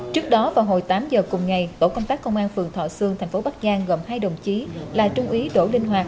trước đó vào hồi tám giờ cùng ngày tổ công tác công an phường thọ sương thành phố bắc giang gồm hai đồng chí là trung úy đỗ linh hoạt